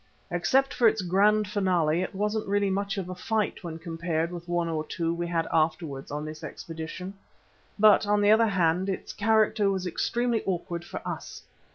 Except for its grand finale it wasn't really much of a fight when compared with one or two we had afterwards on this expedition. But, on the other hand, its character was extremely awkward for us.